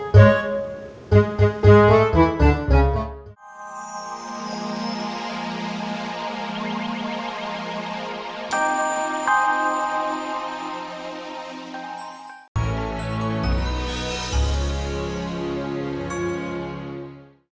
jangan coach ajalah lo